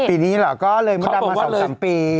ปีนี้เหรอก็เลยมดดำมา๒๓ปี